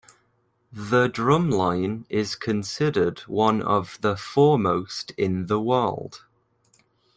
The Drumline is considered one of the foremost in the world.